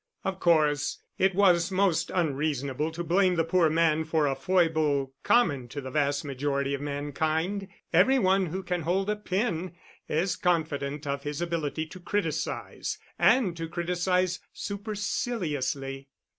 Of course it was most unreasonable to blame the poor man for a foible common to the vast majority of mankind. Every one who can hold a pen is confident of his ability to criticise, and to criticise superciliously.